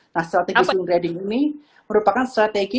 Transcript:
nah strategi swing trading ini merupakan strategi